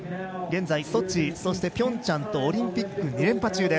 現在ソチ、ピョンチャンとオリンピック２連覇中。